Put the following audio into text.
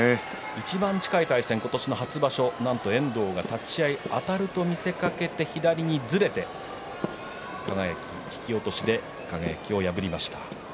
いちばん近い対戦は今年の初場所、遠藤が立ち合い、あたると見せかけて左にずれて引き落としで輝を破りました。